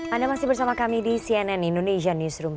anda masih bersama kami di cnn indonesia newsroom